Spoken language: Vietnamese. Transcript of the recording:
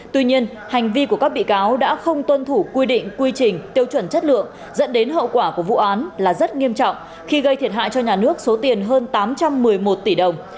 tuy nhiên hành vi của các bị cáo đã không tuân thủ quy định quy trình tiêu chuẩn chất lượng dẫn đến hậu quả của vụ án là rất nghiêm trọng khi gây thiệt hại cho nhà nước số tiền hơn tám trăm một mươi một tỷ đồng